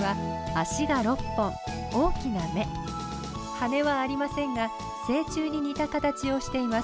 羽はありませんが成虫に似た形をしています。